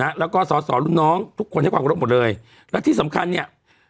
นะแล้วก็ทุกคนทุกคนดูหมดเลยแล้วที่สำคัญเนี่ย